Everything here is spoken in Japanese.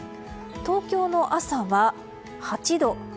東京の朝は８度。